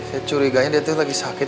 saya curiganya dia tuh lagi sakit